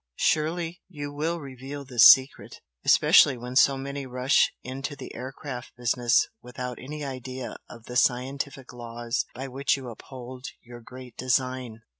Surely you will reveal this secret? especially when so many rush into the air craft business without any idea of the scientific laws by which you uphold your great design?